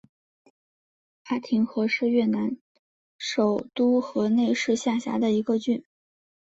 巴亭郡是越南首都河内市下辖的一个郡。